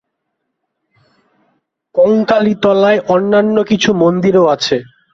কঙ্কালীতলায় অন্যান্য কিছু মন্দিরও আছে।